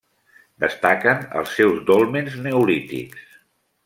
Destaquen els seus dòlmens neolítics.